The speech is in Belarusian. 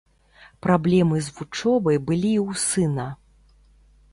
Праблемы з вучобай былі і ў сына.